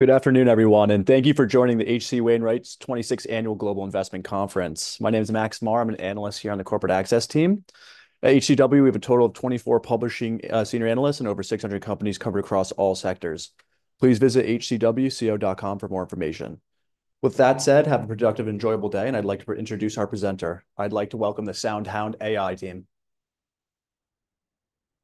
Good afternoon, everyone, and thank you for joining the H.C. Wainwright's 26th Annual Global Investment Conference. My name is Max Mahr. I'm an analyst here on the Corporate Access team. At HCW, we have a total of 24 publishing senior analysts and over 600 companies covered across all sectors. Please visit hcwco.com for more information. With that said, have a productive and enjoyable day, and I'd like to introduce our presenter. I'd like to welcome the SoundHound AI team.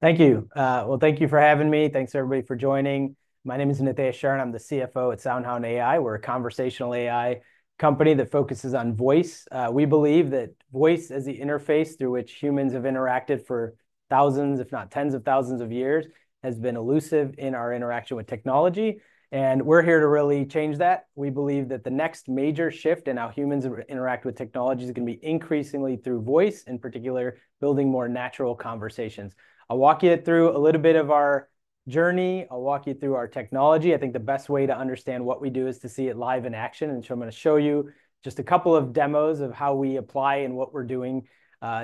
Thank you. Well, thank you for having me. Thanks, everybody, for joining. My name is Nitesh Sharan. I'm the CFO at SoundHound AI. We're a conversational AI company that focuses on voice. We believe that voice as the interface through which humans have interacted for thousands, if not tens of thousands of years, has been elusive in our interaction with technology, and we're here to really change that. We believe that the next major shift in how humans interact with technology is gonna be increasingly through voice, in particular, building more natural conversations. I'll walk you through a little bit of our journey. I'll walk you through our technology. I think the best way to understand what we do is to see it live in action, and so I'm gonna show you just a couple of demos of how we apply and what we're doing,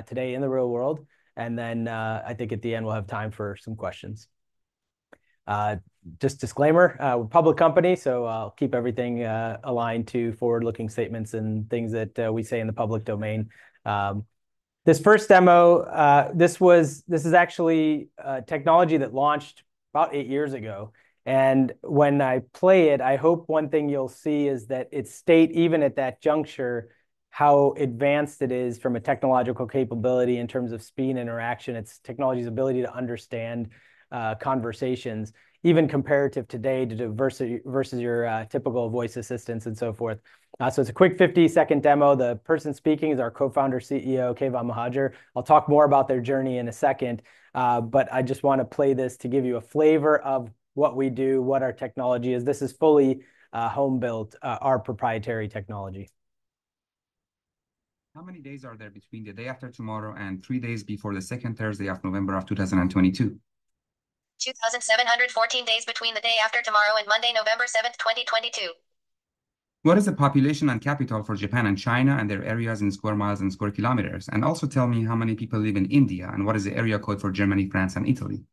today in the real world. And then, I think at the end, we'll have time for some questions. Just disclaimer, we're a public company, so I'll keep everything, aligned to forward-looking statements and things that, we say in the public domain. This first demo, this is actually technology that launched about eight years ago, and when I play it, I hope one thing you'll see is that it states, even at that juncture, how advanced it is from a technological capability in terms of speed and interaction, its technology's ability to understand conversations, even comparative today to diversity versus your typical voice assistants and so forth. So it's a quick 50-second demo. The person speaking is our co-founder and CEO, Keyvan Mohajer. I'll talk more about their journey in a second, but I just want to play this to give you a flavor of what we do, what our technology is. This is fully home-built, our proprietary technology. How many days are there between the day after tomorrow and three days before the second Thursday of November of two thousand and twenty-two? Two thousand seven hundred and fourteen days between the day after tomorrow and Monday, 27 November 2022. What is the population and capital for Japan and China, and their areas in square miles and square kilometers? And also tell me, how many people live in India, and what is the area code for Germany, France, and Italy?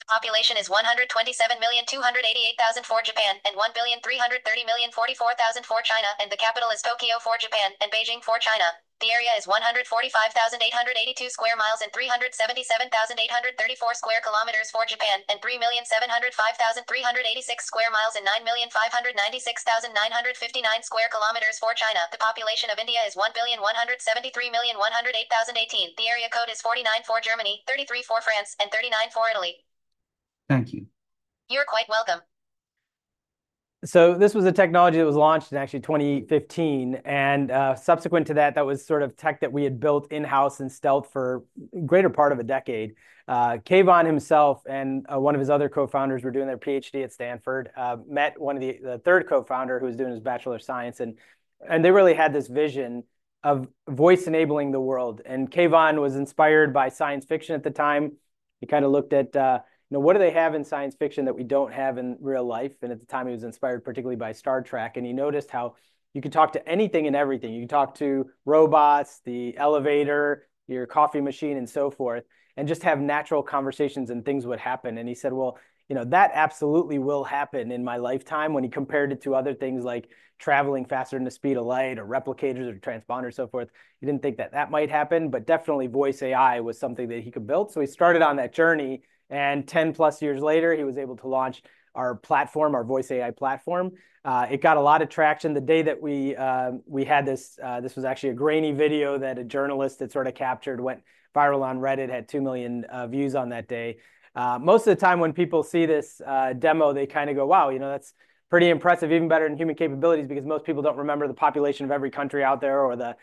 The population is 127,288,000 for Japan, and 1,330,044,000 for China, and the capital is Tokyo for Japan and Beijing for China. The area is 145,882 sq mi and 377,834 sq km for Japan, and 3,705,386 sq mi and 9,596,959 sq km for China. The population of India is 1,173,108,018. The area code is 49 for Germany, 33 for France, and 39 for Italy. Thank you. You're quite welcome. This was a technology that was launched in, actually, 2015, and subsequent to that, that was sort of tech that we had built in-house and stealth for greater part of a decade. Keyvan himself and one of his other co-founders were doing their PhD at Stanford, met one of the third co-founder, who was doing his Bachelor of Science, and they really had this vision of voice-enabling the world. And Keyvan was inspired by science fiction at the time. He kind of looked at, you know, what do they have in science fiction that we don't have in real life? And at the time, he was inspired, particularly by Star Trek, and he noticed how you could talk to anything and everything. You could talk to robots, the elevator, your coffee machine, and so forth, and just have natural conversations, and things would happen, and he said, "Well, you know, that absolutely will happen in my lifetime." When he compared it to other things, like traveling faster than the speed of light or replicators or transponders or so forth, he didn't think that that might happen, but definitely voice AI was something that he could build, so he started on that journey, and ten-plus years later, he was able to launch our platform, our voice AI platform. It got a lot of traction. The day that we had this. This was actually a grainy video that a journalist had sort of captured, went viral on Reddit, had 2 million views on that day. Most of the time, when people see this demo, they kind of go, "Wow! You know, that's pretty impressive. Even better than human capabilities," because most people don't remember the population of every country out there or the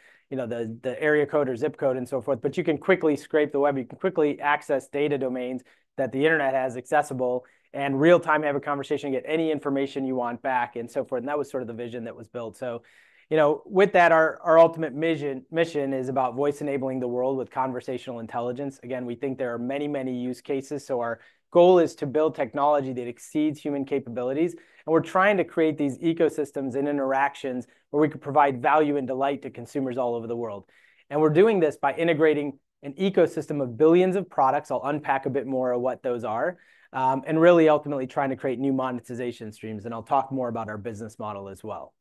area code or zip code and so forth. But you can quickly scrape the web. You can quickly access data domains that the internet has accessible and real-time have a conversation, get any information you want back, and so forth, and that was sort of the vision that was built. So, you know, with that, our ultimate mission is about voice-enabling the world with conversational intelligence. Again, we think there are many, many use cases, so our goal is to build technology that exceeds human capabilities, and we're trying to create these ecosystems and interactions where we can provide value and delight to consumers all over the world, and we're doing this by integrating an ecosystem of billions of products. I'll unpack a bit more of what those are, and really ultimately trying to create new monetization streams, and I'll talk more about our business model as well.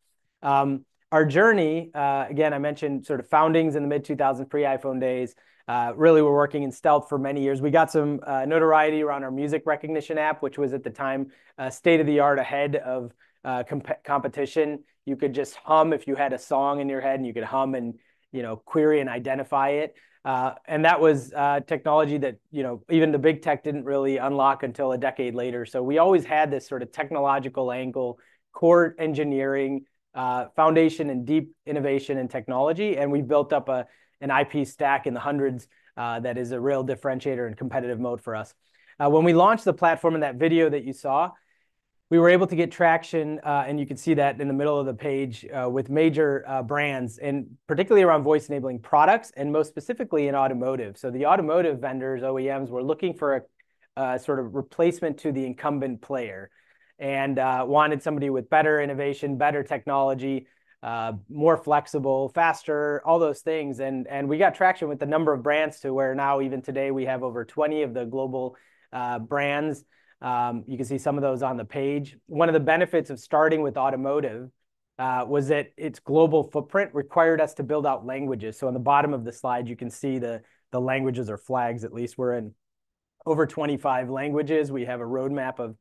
Our journey, again, I mentioned sort of foundings in the mid-2000s, pre-iPhone days. Really, we're working in stealth for many years. We got some notoriety around our music recognition app, which was, at the time, state-of-the-art, ahead of competition. You could just hum if you had a song in your head, and you could hum and, you know, query and identify it. That was technology that, you know, even the big tech didn't really unlock until a decade later. So we always had this sort of technological angle, core engineering foundation, and deep innovation and technology, and we built up an IP stack in the hundreds that is a real differentiator and competitive moat for us. When we launched the platform in that video that you saw, we were able to get traction, and you can see that in the middle of the page with major brands, and particularly around voice-enabling products, and most specifically in automotive. The automotive vendors, OEMs, were looking for a sort of replacement to the incumbent player and wanted somebody with better innovation, better technology, more flexible, faster, all those things. We got traction with the number of brands to where now, even today, we have over 20 of the global brands. You can see some of those on the page. One of the benefits of starting with automotive was that its global footprint required us to build out languages. On the bottom of the slide, you can see the languages or flags at least. We're in over 25 languages. We have a roadmap of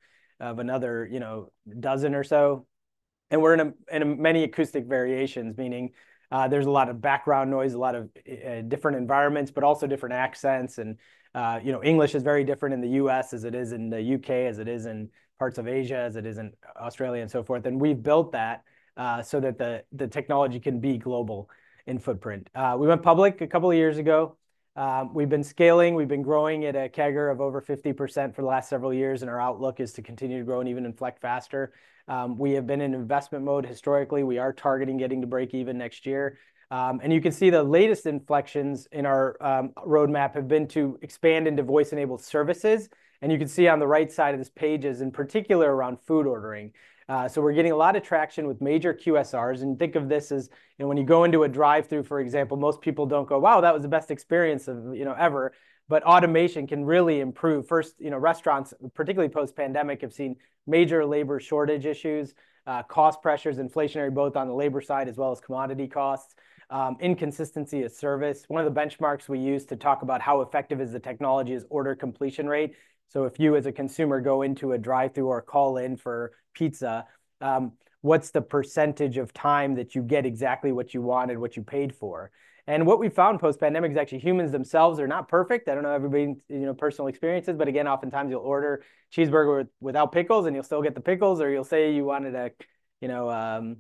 another, you know, dozen or so, and we're in many acoustic variations, meaning there's a lot of background noise, a lot of different environments, but also different accents. You know, English is very different in the U.S. as it is in the U.K., as it is in parts of Asia, as it is in Australia, and so forth. We've built that so that the technology can be global in footprint. We went public a couple of years ago. We've been scaling. We've been growing at a CAGR of over 50% for the last several years, and our outlook is to continue to grow and even inflect faster. We have been in investment mode historically. We are targeting getting to break even next year. You can see the latest inflections in our roadmap have been to expand into voice-enabled services, and you can see on the right side of this page, in particular around food ordering. So we're getting a lot of traction with major QSRs, and think of this as, you know, when you go into a drive-thru, for example, most people don't go, "Wow, that was the best experience of, you know, ever!" But automation can really improve. First, you know, restaurants, particularly post-pandemic, have seen major labor shortage issues, cost pressures, inflationary both on the labor side as well as commodity costs, inconsistency of service. One of the benchmarks we use to talk about how effective is the technology is order completion rate. So if you, as a consumer, go into a drive-thru or call in for pizza, what's the percentage of time that you get exactly what you want and what you paid for? And what we found post-pandemic is actually humans themselves are not perfect. I don't know about everybody, you know, personal experiences, but again, oftentimes you'll order cheeseburger without pickles, and you'll still get the pickles, or you'll say you wanted a, you know,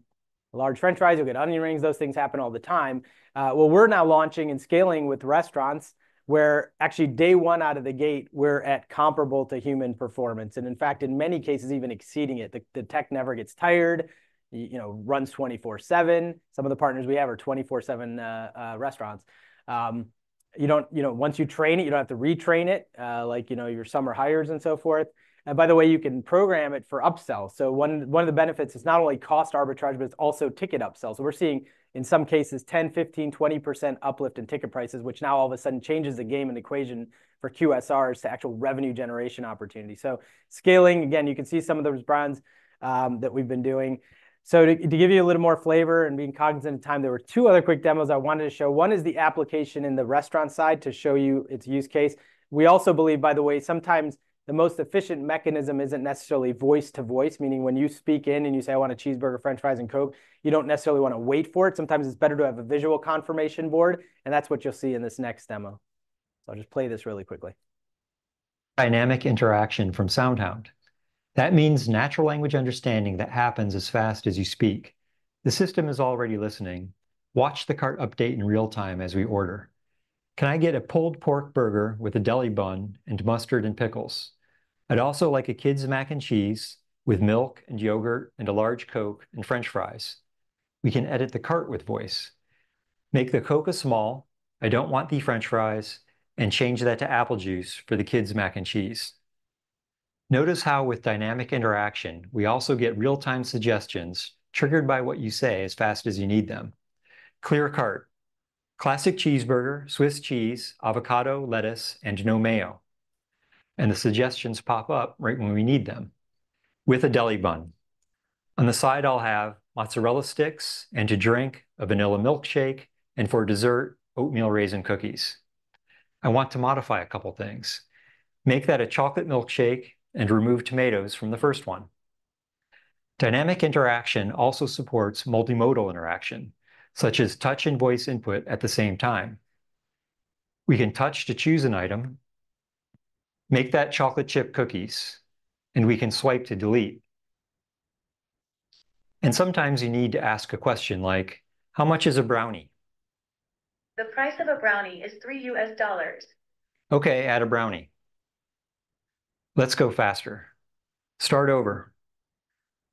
large French fries, you'll get onion rings. Those things happen all the time. We're now launching and scaling with restaurants, where actually, day one out of the gate, we're at comparable to human performance, and in fact, in many cases, even exceeding it. The tech never gets tired. You know, runs twenty-four seven. Some of the partners we have are twenty-four seven restaurants. You know, once you train it, you don't have to retrain it, like, you know, your summer hires and so forth. And by the way, you can program it for upsells. One of the benefits is not only cost arbitrage, but it's also ticket upsells. So we're seeing, in some cases, 10, 15, 20% uplift in ticket prices, which now all of a sudden changes the game and equation for QSRs to actual revenue generation opportunity. So scaling, again, you can see some of those brands that we've been doing. So to give you a little more flavor and being cognizant of time, there were two other quick demos I wanted to show. One is the application in the restaurant side to show you its use case. We also believe, by the way, sometimes the most efficient mechanism isn't necessarily voice-to-voice, meaning when you speak in and you say, "I want a cheeseburger, French fries, and Coke," you don't necessarily want to wait for it. Sometimes it's better to have a visual confirmation board, and that's what you'll see in this next demo. So I'll just play this really quickly.... Dynamic Interaction from SoundHound. That means natural language understanding that happens as fast as you speak. The system is already listening. Watch the cart update in real time as we order. Can I get a pulled pork burger with a deli bun and mustard and pickles? I'd also like a kids' mac and cheese with milk and yogurt and a large Coke and french fries. We can edit the cart with voice. Make the Coke a small, I don't want the french fries, and change that to apple juice for the kids' mac and cheese. Notice how with Dynamic Interaction, we also get real-time suggestions triggered by what you say as fast as you need them. Clear cart. Classic cheeseburger, Swiss cheese, avocado, lettuce, and no mayo, and the suggestions pop up right when we need them. With a deli bun. On the side, I'll have mozzarella sticks, and to drink, a vanilla milkshake, and for dessert, oatmeal raisin cookies. I want to modify a couple things. Make that a chocolate milkshake and remove tomatoes from the first one. Dynamic Interaction also supports multimodal interaction, such as touch and voice input at the same time. We can touch to choose an item, make that chocolate chip cookies, and we can swipe to delete, and sometimes you need to ask a question like: How much is a brownie? The price of a brownie is $3. Okay, add a brownie. Let's go faster. Start over.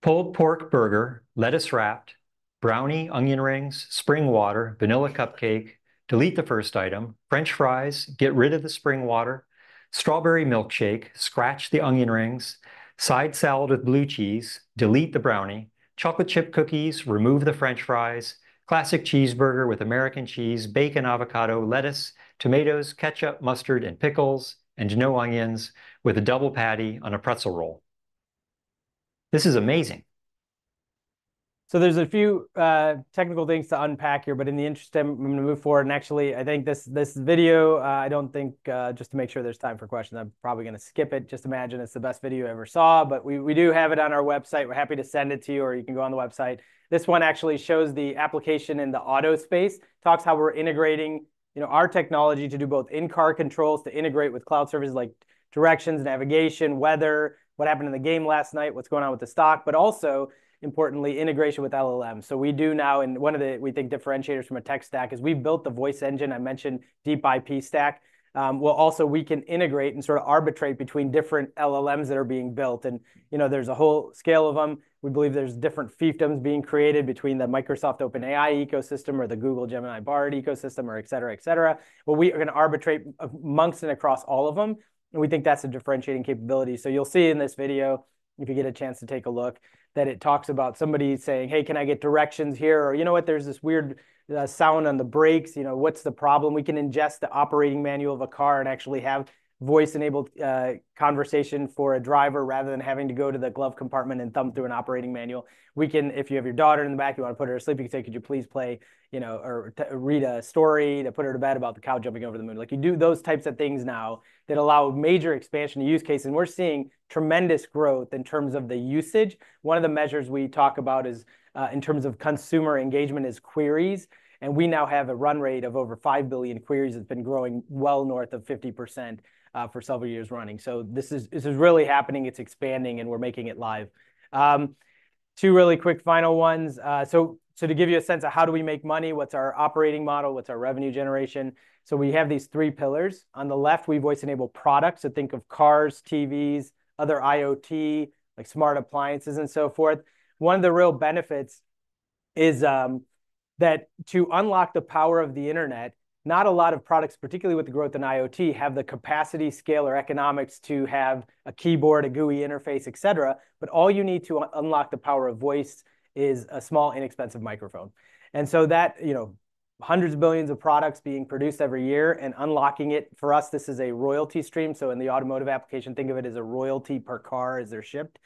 Pulled pork burger, lettuce wrapped, brownie, onion rings, spring water, vanilla cupcake. Delete the first item. French fries. Get rid of the spring water. Strawberry milkshake. Scratch the onion rings. Side salad with blue cheese. Delete the brownie. Chocolate chip cookies. Remove the French fries. Classic cheeseburger with American cheese, bacon, avocado, lettuce, tomatoes, ketchup, mustard, and pickles, and no onions, with a double patty on a pretzel roll. This is amazing! So there's a few technical things to unpack here, but in the interest of time, I'm going to move forward, and actually, I think this video, just to make sure there's time for questions, I'm probably gonna skip it. Just imagine it's the best video you ever saw, but we do have it on our website. We're happy to send it to you, or you can go on the website. This one actually shows the application in the auto space, talks how we're integrating, you know, our technology to do both in-car controls, to integrate with cloud services like directions, navigation, weather, what happened in the game last night, what's going on with the stock, but also, importantly, integration with LLM, so we do now, and one of the, we think, differentiators from a tech stack is we've built the voice engine. I mentioned deep IP stack. Well, also, we can integrate and sort of arbitrate between different LLMs that are being built, and, you know, there's a whole scale of them. We believe there's different fiefdoms being created between the Microsoft OpenAI ecosystem or the Google Gemini Bard ecosystem, or et cetera, et cetera. But we are going to arbitrate amongst and across all of them, and we think that's a differentiating capability. So you'll see in this video, if you get a chance to take a look, that it talks about somebody saying, "Hey, can I get directions here?" Or, "You know what? There's this weird sound on the brakes. You know, what's the problem?" We can ingest the operating manual of a car and actually have voice-enabled conversation for a driver, rather than having to go to the glove compartment and thumb through an operating manual. We can... If you have your daughter in the back, you want to put her to sleep, you can say, "Could you please play," you know, or, "read a story to put her to bed about the cow jumping over the moon?" Like, you do those types of things now that allow major expansion to use cases, and we're seeing tremendous growth in terms of the usage. One of the measures we talk about is, in terms of consumer engagement, is queries, and we now have a run rate of over five billion queries that's been growing well north of 50%, for several years running. So this is, this is really happening, it's expanding, and we're making it live. Two really quick final ones. To give you a sense of how we make money, what's our operating model, what's our revenue generation? We have these three pillars. On the left, we voice-enable products, so think of cars, TVs, other IoT, like smart appliances and so forth. One of the real benefits is that to unlock the power of the internet, not a lot of products, particularly with the growth in IoT, have the capacity, scale, or economics to have a keyboard, a GUI interface, et cetera. But all you need to unlock the power of voice is a small, inexpensive microphone. And so that, you know, hundreds of billions of products being produced every year and unlocking it, for us, this is a royalty stream. In the automotive application, think of it as a royalty per car as they're shipped.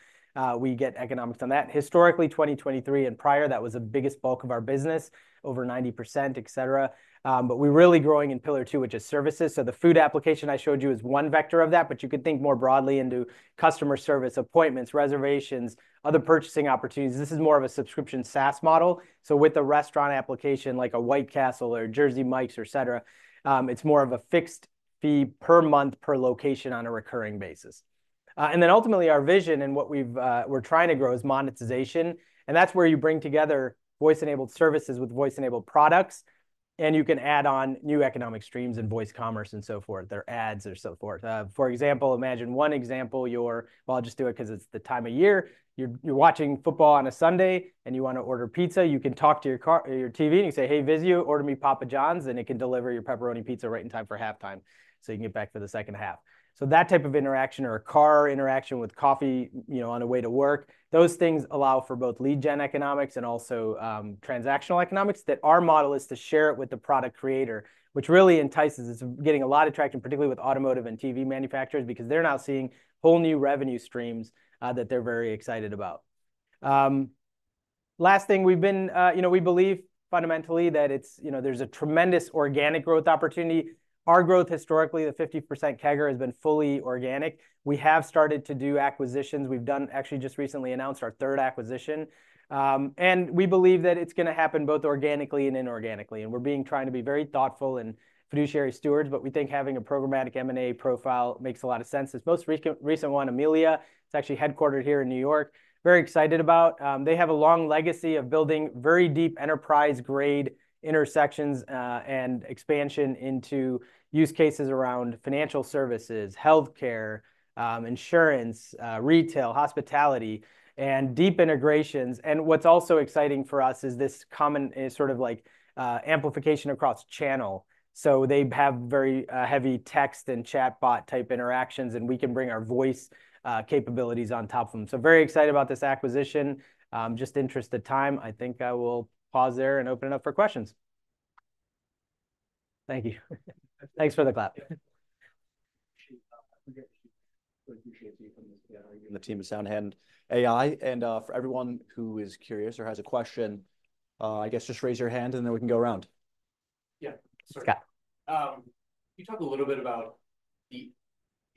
We get economics on that. Historically, 2023 and prior, that was the biggest bulk of our business, over 90%, et cetera. But we're really growing in pillar two, which is services. So the food application I showed you is one vector of that, but you could think more broadly into customer service, appointments, reservations, other purchasing opportunities. This is more of a subscription SaaS model. So with a restaurant application like a White Castle or a Jersey Mike's, et cetera, it's more of a fixed fee per month per location on a recurring basis. And then ultimately, our vision and what we're trying to grow is monetization, and that's where you bring together voice-enabled services with voice-enabled products, and you can add on new economic streams and voice commerce and so forth, there ads or so forth. For example, imagine one example, your... I'll just do it 'cause it's the time of year. You're watching football on a Sunday, and you want to order pizza. You can talk to your TV, and you say, "Hey, Vizio, order me Papa John's," and it can deliver your pepperoni pizza right in time for halftime, so you can get back for the second half. So that type of interaction or a car interaction with coffee, you know, on the way to work, those things allow for both lead gen economics and also, transactional economics, that our model is to share it with the product creator, which really entices. It's getting a lot of traction, particularly with automotive and TV manufacturers, because they're now seeing whole new revenue streams, that they're very excited about. Last thing, we've been, you know, we believe fundamentally that it's, you know, there's a tremendous organic growth opportunity. Our growth historically, the 50% CAGR, has been fully organic. We have started to do acquisitions. We've done, actually just recently announced our third acquisition. And we believe that it's gonna happen both organically and inorganically, and we're trying to be very thoughtful and fiduciary stewards, but we think having a programmatic M&A profile makes a lot of sense. This most recent one, Amelia, it's actually headquartered here in New York. Very excited about. They have a long legacy of building very deep enterprise-grade integrations, and expansion into use cases around financial services, healthcare, insurance, retail, hospitality, and deep integrations. And what's also exciting for us is this common, sort of like, amplification across channel. So they have very heavy text and chatbot-type interactions, and we can bring our voice capabilities on top of them. So very excited about this acquisition. Just in the interest of time, I think I will pause there and open it up for questions. Thank you. Thanks for the clap.... We appreciate you from the team of SoundHound AI, and for everyone who is curious or has a question, I guess just raise your hand, and then we can go around. Yeah, sorry. Yeah. Can you talk a little bit about the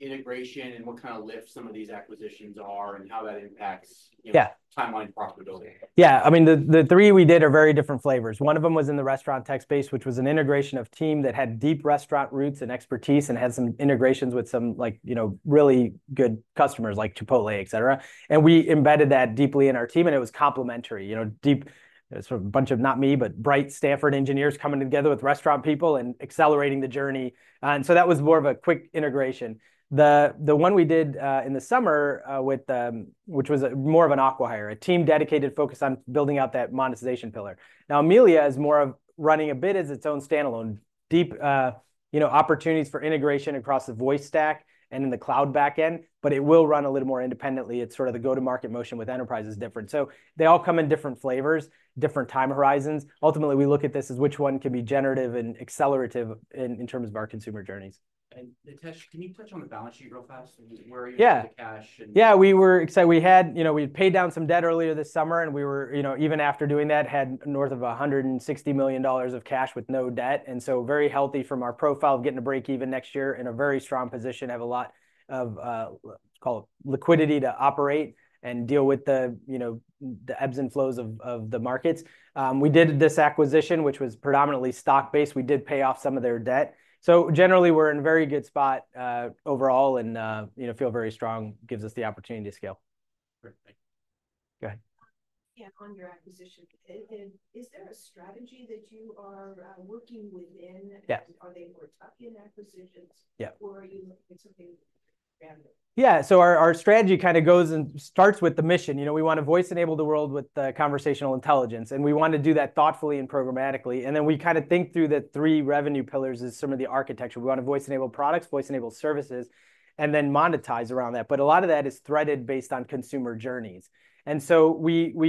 integration and what kind of lift some of these acquisitions are and how that impacts- Yeah Timeline to profitability? Yeah. I mean, the three we did are very different flavors. One of them was in the restaurant tech space, which was an integration of team that had deep restaurant roots and expertise and had some integrations with some, like, you know, really good customers, like Chipotle, et cetera. And we embedded that deeply in our team, and it was complementary. You know, it was sort of a bunch of, not me, but bright Stanford engineers coming together with restaurant people and accelerating the journey. And so that was more of a quick integration. The one we did in the summer with the, which was more of an acquihire, a team dedicated, focused on building out that monetization pillar. Now, Amelia is more of running a bit as its own standalone. Deep, you know, opportunities for integration across the voice stack and in the cloud back end, but it will run a little more independently. It's sort of the go-to-market motion with enterprise is different. So they all come in different flavors, different time horizons. Ultimately, we look at this as which one can be generative and accelerative in terms of our consumer journeys. Nitesh, can you touch on the balance sheet real fast, and where are you- Yeah with the cash and Yeah, we were excited. We had you know, we had paid down some debt earlier this summer, and we were, you know, even after doing that, had north of $160 million of cash with no debt, and so very healthy from our profile of getting to break even next year, in a very strong position. Have a lot of call it liquidity to operate and deal with the, you know, the ebbs and flows of the markets. We did this acquisition, which was predominantly stock-based. We did pay off some of their debt. So generally, we're in a very good spot, overall and, you know, feel very strong. Gives us the opportunity to scale. Great. Thank you. Go ahead. Yeah, on your acquisition, is there a strategy that you are working within? Yeah. Are they more tuck-in acquisitions? Yeah. Or are you looking for something random? Yeah, so our strategy kind of goes and starts with the mission. You know, we want to voice-enable the world with conversational intelligence, and we want to do that thoughtfully and programmatically. And then we kind of think through the three revenue pillars as some of the architecture. We want to voice-enable products, voice-enable services, and then monetize around that. But a lot of that is threaded based on consumer journeys. And so we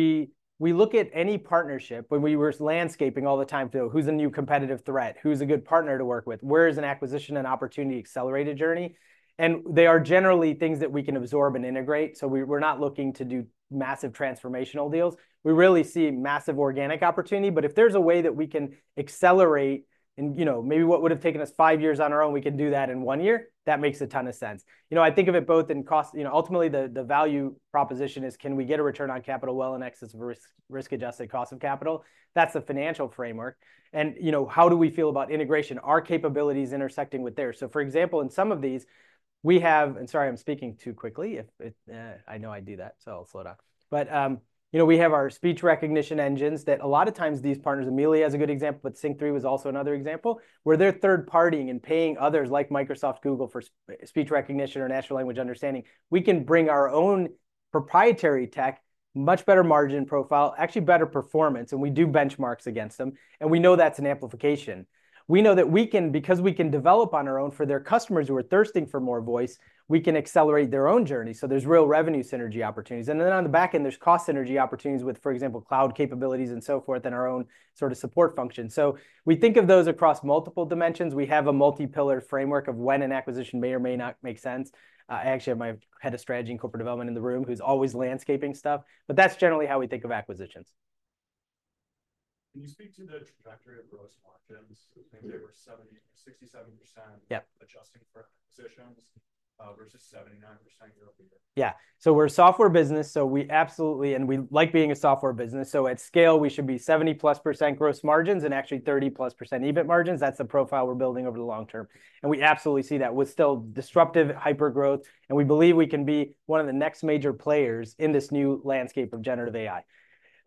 look at any partnership, when we were landscaping all the time, to go, "Who's a new competitive threat? Who's a good partner to work with? Where is an acquisition and opportunity-accelerated journey?" And they are generally things that we can absorb and integrate, so we're not looking to do massive transformational deals. We really see massive organic opportunity, but if there's a way that we can accelerate and, you know, maybe what would've taken us five years on our own, we can do that in one year, that makes a ton of sense. You know, I think of it both in cost. You know, ultimately, the value proposition is, can we get a return on capital well in excess of risk-adjusted cost of capital? That's the financial framework. You know, how do we feel about integration, our capabilities intersecting with theirs? So for example, in some of these, we have. Sorry, I'm speaking too quickly. If I know I do that, so I'll slow down. But you know, we have our speech recognition engines that a lot of times, these partners, Amelia is a good example, but Sync 3 was also another example, where they're third-partying and paying others, like Microsoft, Google, for speech recognition or natural language understanding. We can bring our own proprietary tech, much better margin profile, actually better performance, and we do benchmarks against them, and we know that's an amplification. We know that because we can develop on our own for their customers who are thirsting for more voice, we can accelerate their own journey. So there's real revenue synergy opportunities. And then on the back end, there's cost synergy opportunities with, for example, cloud capabilities and so forth, and our own sort of support function. So we think of those across multiple dimensions. We have a multi-pillar framework of when an acquisition may or may not make sense. I actually have my head of strategy and corporate development in the room, who's always landscaping stuff, but that's generally how we think of acquisitions. Can you speak to the trajectory of gross margins? I think they were 70%-67%. Yeah. -adjusting for acquisitions, versus 79% year over year. Yeah, so we're a software business, so we absolutely and we like being a software business, so at scale, we should be 70-plus% gross margins and actually 30-plus% EBIT margins. That's the profile we're building over the long term, and we absolutely see that. We're still disruptive hypergrowth, and we believe we can be one of the next major players in this new landscape of generative AI.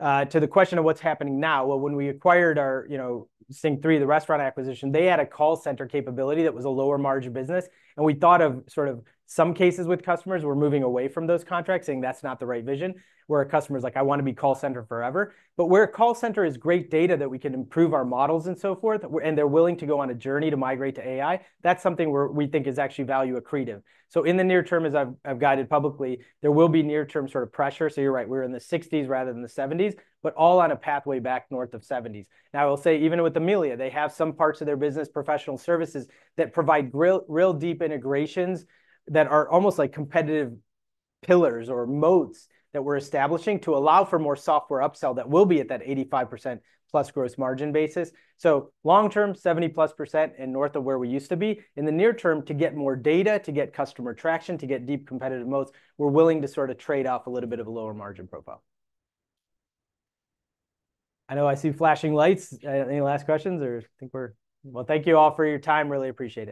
To the question of what's happening now, well, when we acquired our, you know, Sync 3, the restaurant acquisition, they had a call center capability that was a lower margin business, and we thought of sort of some cases with customers who were moving away from those contracts, saying that's not the right vision, where a customer's like, "I want to be call center forever." But where a call center is great data that we can improve our models and so forth, and they're willing to go on a journey to migrate to AI, that's something where we think is actually value accretive, so in the near term, as I've guided publicly, there will be near-term sort of pressure, so you're right, we're in the sixties rather than the seventies, but all on a pathway back north of seventies. Now, I will say, even with Amelia, they have some parts of their business professional services that provide real, real deep integrations that are almost like competitive pillars or moats that we're establishing to allow for more software upsell that will be at that 85%+ gross margin basis. So long term, 70%+ and north of where we used to be. In the near term, to get more data, to get customer traction, to get deep competitive moats, we're willing to sort of trade off a little bit of a lower margin profile. I know I see flashing lights. Any last questions, or I think we're...? Well, thank you all for your time. Really appreciate it.